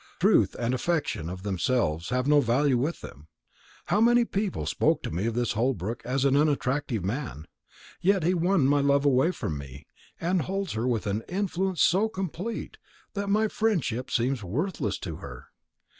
Truth and affection, of themselves, have no value with them. How many people spoke to me of this Holbrook as an unattractive man; and yet he won my love away from me, and holds her with an influence so complete, that my friendship seems worthless to her.